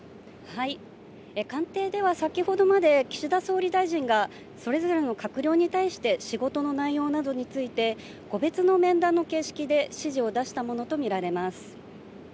官邸では先ほどまで岸田総理大臣が、それぞれの閣僚に対して仕事の内容などについて、個別の面談の形式で指示を出したものと見られます。